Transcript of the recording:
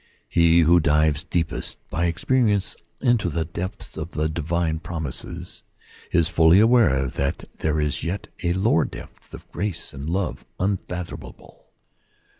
He who dives deepest by experience into the depths of the divine promises is fully aware that there is yet a lower depth of grace and love un fathomable.